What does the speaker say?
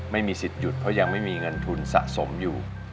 ไม่มีสิทธิหยุดเพราะยังไม่มีเงินทุนสะสมอยู่